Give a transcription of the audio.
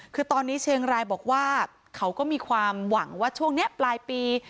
คือตอนนี้เชียงรายบอกว่าเขาก็มีความหวังว่าช่วงนี้ปลายปี